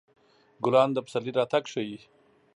ګلان د پسرلي راتګ ښيي.